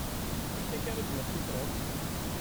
Amek akka ara d-naf tifrat?